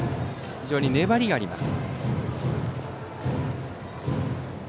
非常に粘りがあります。